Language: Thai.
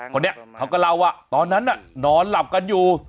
คนนี้เขาก็เล่าว่าตอนนั้นน่ะนอนหลับกันอยู่